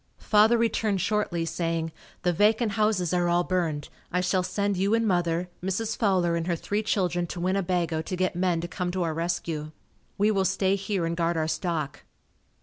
Father returned shortly saying, "The vacant houses are all burned. I shall send you and mother, Mrs. Fowler and her three children to Winnebago to get men to come to our rescue. We will stay here and guard our stock."